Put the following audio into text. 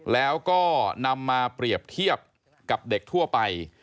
แล้วก็นำมาเปรียบเทียบกับเด็กทั่วไป